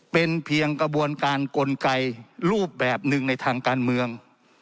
เป็นเพียงกระบวนการกลไกรูปแบบหนึ่งในทางการเมือง